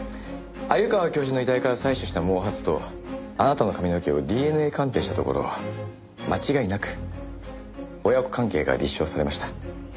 鮎川教授の遺体から採取した毛髪とあなたの髪の毛をＤＮＡ鑑定したところ間違いなく親子関係が立証されました。